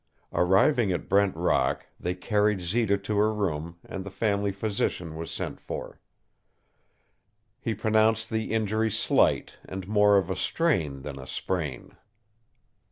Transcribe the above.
Arriving at Brent Rock, they carried Zita to her room and the family physician was sent for. He pronounced the injury slight and more of a strain than a sprain.